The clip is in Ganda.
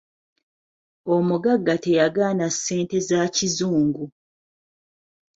Omugagga teyagaana ssente za kizungu.